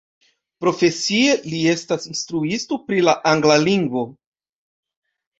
Profesie li estas instruisto pri la angla lingvo.